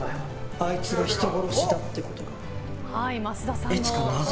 あいつが人殺しだってこと。